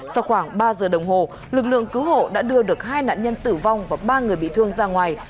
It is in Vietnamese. sau khoảng ba giờ đồng hồ lực lượng cứu hộ đã đưa được hai nạn nhân tử vong và ba người bị thương ra ngoài